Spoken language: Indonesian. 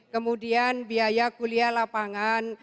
kemudian biaya kuliah lapangan